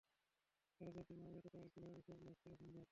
তারা যদি মারা যেত, তাহলে কিভাবে সব লাশ ফেলা সম্ভব?